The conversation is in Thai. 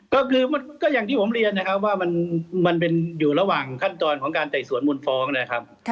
ก็คือก็อย่างที่ผมเรียนนะครับว่ามันเป็นอยู่ระหว่างขั้นตอนของการไต่สวนมูลฟ้องนะครับ